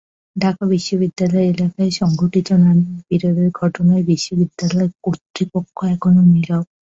ঢাকা বিশ্ববিদ্যালয় এলাকায় সংঘটিত নারী নিপীড়নের ঘটনায় বিশ্ববিদ্যালয় কর্তৃপক্ষ এখনো নীরব।